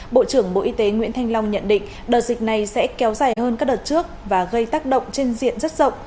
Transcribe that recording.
bộ trưởng bộ y tế nguyễn thanh long nhận định đợt dịch này sẽ kéo dài hơn các đợt trước và gây tác động trên diện rất rộng